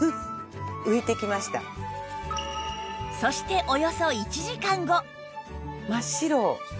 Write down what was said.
そしておよそ１時間後